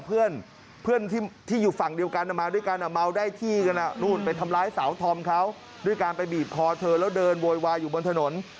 เมื่อกี้เขาตอบเข้าไงคุณพระพร